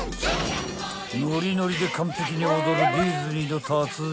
［ノリノリで完璧に踊るディズニーの達人］